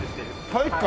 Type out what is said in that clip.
体育館？